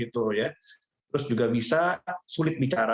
terus juga bisa sulit bicara